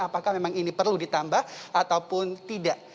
apakah memang ini perlu ditambah ataupun tidak